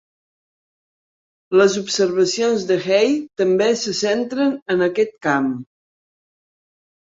Les observacions de Hey també se centren en aquest camp.